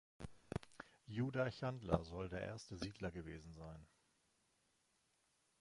Judah Chandler soll der erste Siedler gewesen sein.